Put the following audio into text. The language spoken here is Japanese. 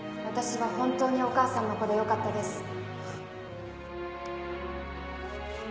私は本当にお母さんの子でよかったです」。